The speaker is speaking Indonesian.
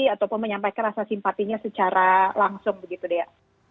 ataupun menyampaikan rasa simpatinya secara langsung begitu dea